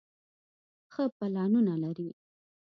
ښۀ پلانونه لري